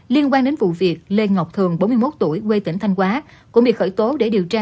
liên quan đến vụ việc lê ngọc thường bốn mươi một tuổi quê tỉnh thanh hóa cũng bị khởi tố để điều tra